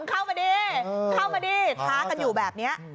เข้ามาดิเข้ามาดิท้ากันอยู่แบบนี้